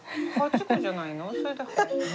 ８個じゃないの？